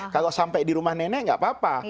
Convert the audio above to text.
kalau sampai di rumah nenek nggak apa apa